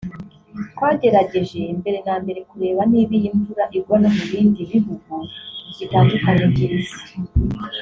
twagerageje mbere na mbere kureba niba iyi mvura igwa no mu bindi bihugu bitandukanye by’isi